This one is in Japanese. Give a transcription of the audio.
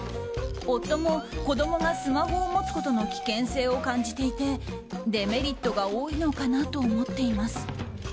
夫も子供がスマホを持つことの危険性を感じていてデメリットが多いのかなと思っています。